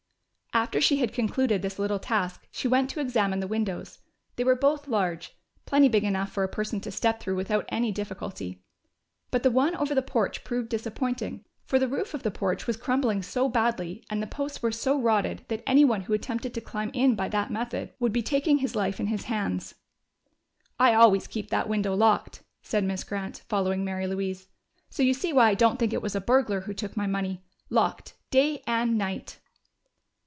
After she had concluded this little task, she went to examine the windows. They were both large plenty big enough for a person to step through without any difficulty. But the one over the porch proved disappointing, for the roof of the porch was crumbling so badly and the posts were so rotted that anyone who attempted to climb in by that method would be taking his life in his hands. "I always keep that window locked," said Miss Grant, following Mary Louise. "So you see why I don't think it was a burglar who took my money. Locked day and night!"